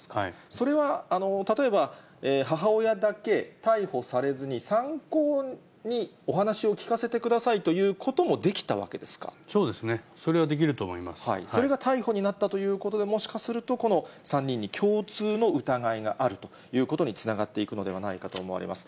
それは例えば、母親だけ逮捕されずに参考にお話を聞かせてくださいということもそうですね、それはできるとそれが逮捕になったということで、もしかするとこの３人に共通の疑いがあるということにつながっていくのではないかと思われます。